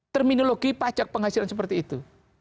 terminologi pajak penghasilan seperti itu